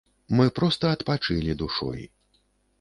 Мы проста адпачылі душой.